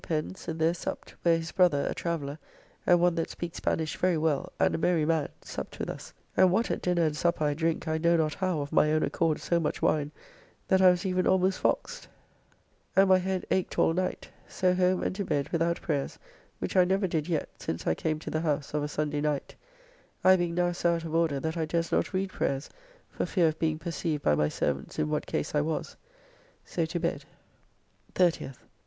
Pen's and there supped, where his brother, a traveller, and one that speaks Spanish very well, and a merry man, supped with us, and what at dinner and supper I drink I know not how, of my own accord, so much wine, that I was even almost foxed, and my head aked all night; so home and to bed, without prayers, which I never did yet, since I came to the house, of a Sunday night: I being now so out of order that I durst not read prayers, for fear of being perceived by my servants in what case I was. So to bed. 30th.